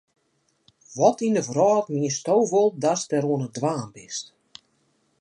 Wat yn de wrâld miensto wol datst dêr oan it dwaan bist?